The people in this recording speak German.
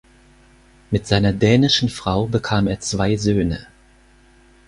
Mit seiner dänischen Frau bekam er zwei Söhne.